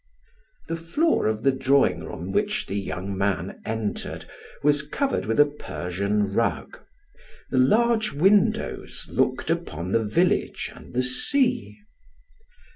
The floor of the drawing room which the young man entered was covered with a Persian rug; the large windows looked upon the village and the sea.